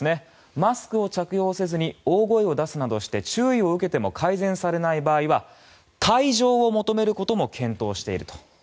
マスクを着用せずに大声を出すなどして注意を受けても改善されない場合は退場を求めることも検討していると。